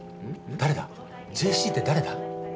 誰だＪ．Ｃって誰だ？